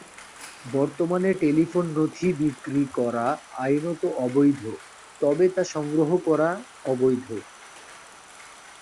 বর্তমানে টেলিফোন নথি বিক্রি করা আইনত বৈধ, তবে তা সংগ্রহ করা অবৈধ।